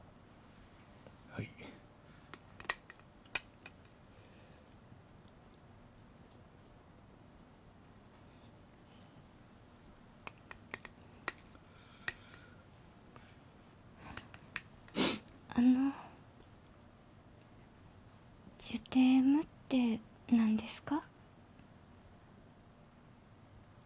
はいあのジュテームって何ですか？